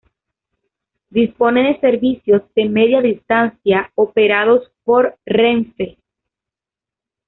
Dispone de servicios de media distancia operados por Renfe.